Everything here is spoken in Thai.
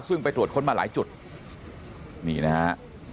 ซึ่งไปตรวจค้นมาหลายจุดนี่นะฮะ